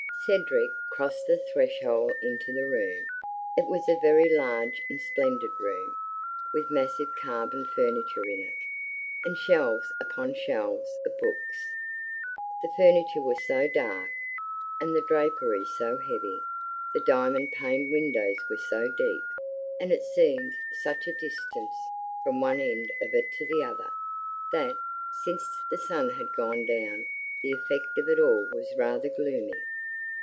Cedric crossed the threshold into the room. It was a very large and splendid room, with massive carven furniture in it, and shelves upon shelves of books; the furniture was so dark, and the draperies so heavy, the diamond paned windows were so deep, and it seemed such a distance from one end of it to the other, that, since the sun had gone down, the effect of it all was rather gloomy.